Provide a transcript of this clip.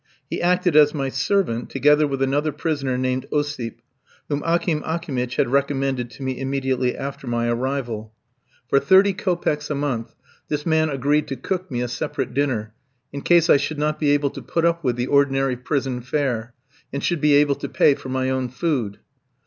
He acted as my servant, together with another prisoner named Osip, whom Akim Akimitch had recommended to me immediately after my arrival. For thirty kopecks a month this man agreed to cook me a separate dinner, in case I should not be able to put up with the ordinary prison fare, and should be able to pay for my own food.